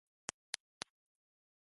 隣の部屋から変な音がするよ